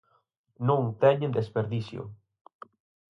Non teñen desperdicio.